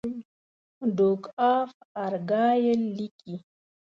ډوک آف ارګایل لیکي.